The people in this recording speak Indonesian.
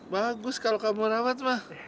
bagus kalau kamu rawat mah